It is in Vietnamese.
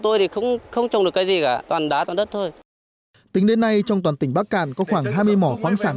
tính đến nay trong toàn tỉnh bắc cạn có khoảng hai mươi mỏ khoáng sản